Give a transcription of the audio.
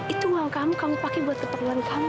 itu uang kamu kamu pakai buat keperluan kamu